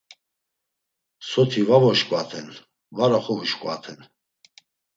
Soti va voşǩvaten, var oxovuşǩvaten.